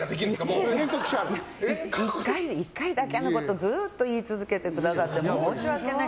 １回だけのことをずっと言い続けてくださって申し訳ない。